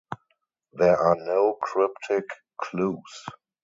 There are no cryptic clues.